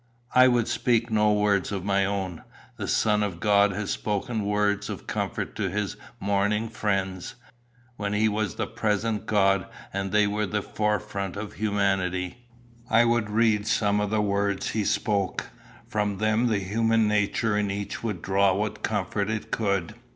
I would speak no words of my own. The Son of God had spoken words of comfort to his mourning friends, when he was the present God and they were the forefront of humanity; I would read some of the words he spoke. From them the human nature in each would draw what comfort it could.